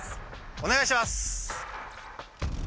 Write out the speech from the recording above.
お願いします！